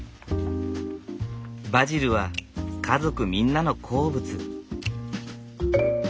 バジルは家族みんなの好物。